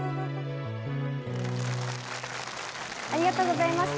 ありがとうございます。